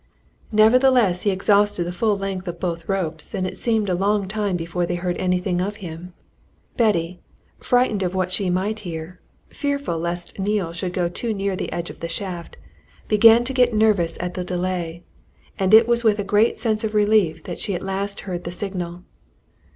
Nevertheless, he exhausted the full length of both ropes, and it seemed a long time before they heard anything of him. Betty, frightened of what she might hear, fearful lest Neale should go too near the edge of the shaft, began to get nervous at the delay, and it was with a great sense of relief that she at last heard the signal.